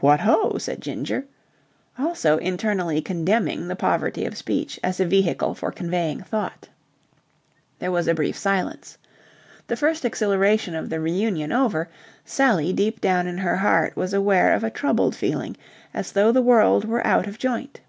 "What ho!" said Ginger, also internally condemning the poverty of speech as a vehicle for conveying thought. There was a brief silence. The first exhilaration of the reunion over, Sally deep down in her heart was aware of a troubled feeling as though the world were out of joint.